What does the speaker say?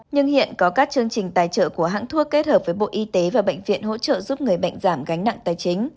nhưng hiện có các chương trình tài trợ của hãng thuốc kết hợp với bộ y tế và bệnh viện hỗ trợ giúp người bệnh giảm gánh nặng tài chính